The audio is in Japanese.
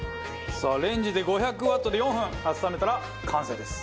さあレンジで５００ワットで４分温めたら完成です。